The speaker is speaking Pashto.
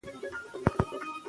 ژوليا په دې برخه کې ژور کار وکړ.